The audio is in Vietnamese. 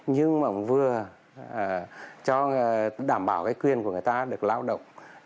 nhưng mà vừa cho đảm bảo cái quyền của người ta được lao động